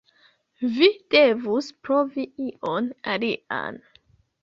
Vi devus provi ion alian.